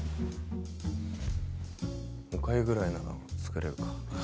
おかゆぐらいなら作れるか。